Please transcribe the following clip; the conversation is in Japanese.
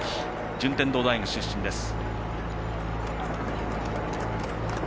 順天堂大学出身です。